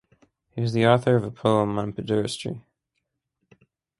He was the author of a poem on pederasty.